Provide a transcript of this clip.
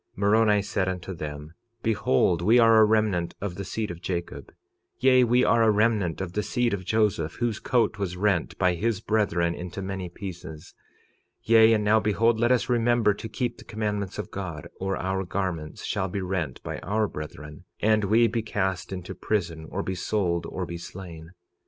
46:23 Moroni said unto them: Behold, we are a remnant of the seed of Jacob; yea, we are a remnant of the seed of Joseph, whose coat was rent by his brethren into many pieces; yea, and now behold, let us remember to keep the commandments of God, or our garments shall be rent by our brethren, and we be cast into prison, or be sold, or be slain.